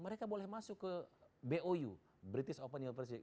mereka boleh masuk ke bou british open university